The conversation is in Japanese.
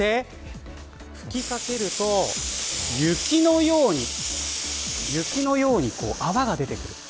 吹きかけると雪のように泡が出てくる。